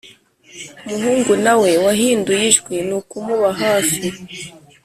umuhungu na we wahinduye ijwi ni ukumuba hafi